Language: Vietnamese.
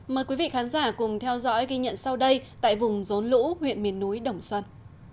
mời quý vị khán giả cùng theo dõi ghi nhận sau đây tại vùng rốn lũ huyện miền núi đồng xuân